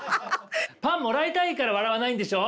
「パンもらいたいから笑わないんでしょ？」